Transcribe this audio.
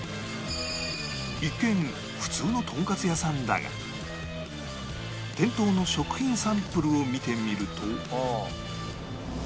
一見普通のとんかつ屋さんだが店頭の食品サンプルを見てみると